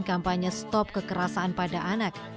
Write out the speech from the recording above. kampanye stop kekerasan pada anak